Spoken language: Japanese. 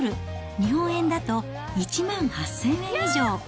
日本円だと１万８０００円以上。